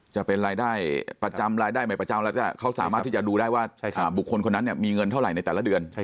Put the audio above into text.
จะเป็นรายได้ประจำรายได้ไม่ประจำแล้วก็เขาสามารถที่จะดูได้ว่าบุคคลคนนั้นเนี่ยมีเงินเท่าไหร่ในแต่ละเดือน